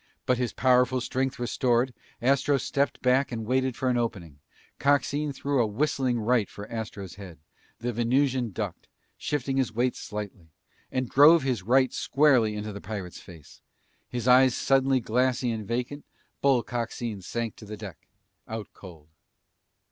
But his powerful strength restored, Astro stepped back and waited for an opening. Coxine threw a whistling right for Astro's head. The Venusian ducked, shifting his weight slightly, and drove his right squarely into the pirate's face. His eyes suddenly glassy and vacant, Bull Coxine sank to the deck, out cold.